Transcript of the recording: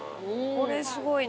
これすごいね。